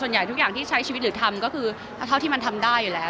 ทุกอย่างที่ใช้ชีวิตหรือทำก็คือเท่าที่มันทำได้อยู่แล้ว